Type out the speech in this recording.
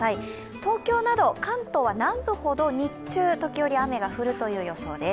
東京など関東は南部ほど日中時折雨が降るという予想です。